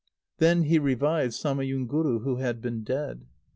Then he revived Samayunguru, who had been dead.